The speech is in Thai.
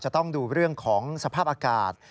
จะต้องดูเรื่องของสภาพอากาศ